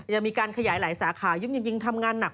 ยังมีการขยายหลายสาขายิ่งทำงานหนัก